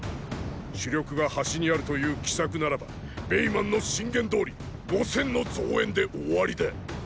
主力が端にあるという奇策ならば貝満の進言どおり五千の増援で終わりだ。